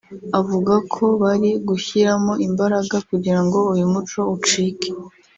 avuga ko bari gushyiramo imbaraga kugirango uyu muco ucike